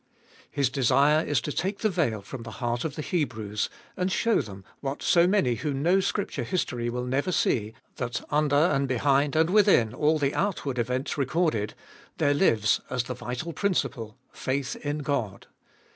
His desire is to take the veil from the heart of the Hebrews, and show them, what so many who know Scripture history will never see, that under and behind and within all the outward events recorded, there lives, as the vital principle, faith in God.